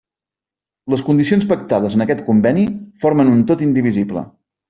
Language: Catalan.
Les condicions pactades en aquest conveni formen un tot indivisible.